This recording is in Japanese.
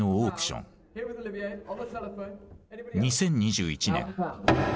２０２１年。